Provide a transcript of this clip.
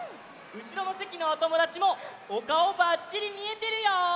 うしろのせきのおともだちもおかおバッチリみえてるよ！